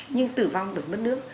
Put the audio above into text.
nhưng tử vong bởi mất nước